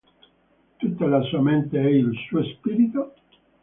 Tutta la sua mente e il suo spirito?